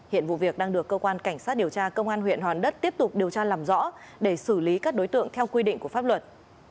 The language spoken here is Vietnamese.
hiện vụ việc đang được cơ quan cảnh sát điều tra công an huyện hòn đất tiếp tục điều tra làm rõ để xử lý các đối tượng theo quy định của pháp luật